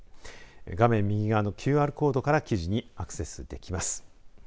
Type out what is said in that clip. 画面右側のＱＲコードから記事にアクセスできます。